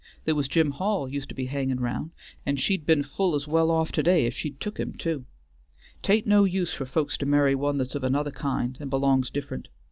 There was Jim Hall used to be hanging round, and she'd been full as well off to day if she'd took him, too. 'T ain't no use for folks to marry one that's of another kind and belongs different.